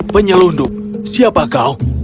penyelundup siapa kau